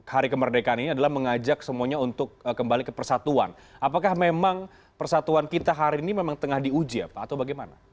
hari kemerdekaan ini adalah mengajak semuanya untuk kembali ke persatuan apakah memang persatuan kita hari ini memang tengah diuji apa atau bagaimana